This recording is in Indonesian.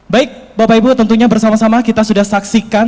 baik bapak ibu tentunya bersama sama kita sudah saksikan